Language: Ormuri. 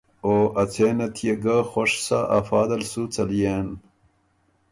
او ا څېنه تيې ګه خوش سَۀ، افا دل سُو څليېن۔